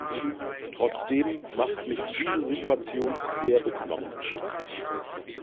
Trotzdem macht mich diese Situation sehr beklommen.